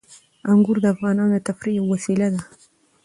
انګور د افغانانو د تفریح یوه وسیله ده.